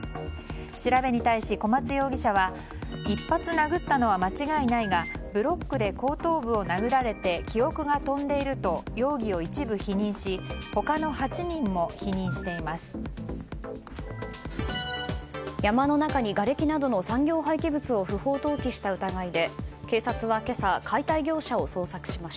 調べに対し、コマツ容疑者は１発殴ったのは間違いないがブロックで後頭部を殴られて記憶が飛んでいると容疑を一部否認し他の８人も否認しています。